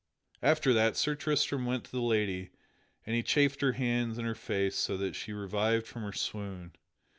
After that, Sir Tristram went to the Lady and he chafed her hands and her face so that she revived from her swoon.